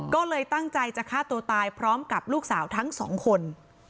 ก็เลยตั้งใจจะฆ่าตัวตายพร้อมกับลูกสาวทั้งสองคน